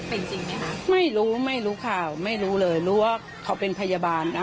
เป็นจริงไหมคะไม่รู้ไม่รู้ข่าวไม่รู้เลยรู้ว่าเขาเป็นพยาบาลนะ